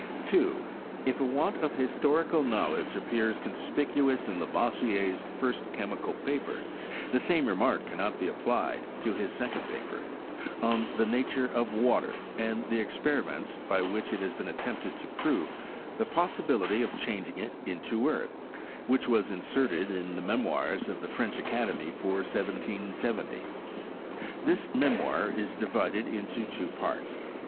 2. If a want of historical knowledge appears con spicuous in Lavoisier's first chemical paper, the same remark cannot be applied to his second paper, " On the Nature of Water, and the Experiments by which it has been attempted to prove the possibility of chang ing it into Earth," which was inserted in the Memoirs of the French Academy, for 1770. This memoir is divided into two parts.